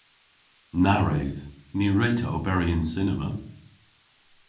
Na wredh! Ny wre'ta oberi yn cinema.